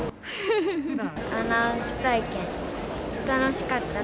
楽しかった。